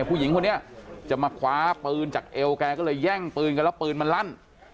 ผู้หญิงคนนี้จะมาคว้าปืนจากเอวแกก็เลยแย่งปืนกันแล้วปืนมันลั่น